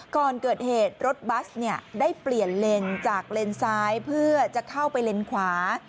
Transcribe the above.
ก่อนเกิดเหตุรถบัสได้เปลี่ยนเลนจากเลนซ้ายเพื่อจะเข้าไปเลนขวา